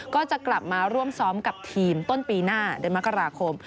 ก็จะกลับมาร่วมซ้อมกับทีมต้นปีหน้าเดือนมกราคม